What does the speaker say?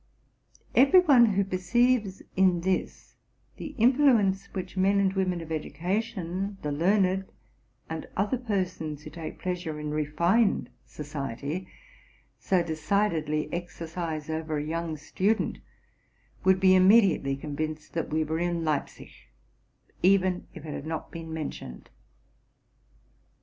Every one who perceives in this the influence which men and women of education, the learned, and other persons who take pleasure in refined society, so decidedly exercise over a young student, would be immediately convinced that we were in Leipzig, even if it had not been mentioned.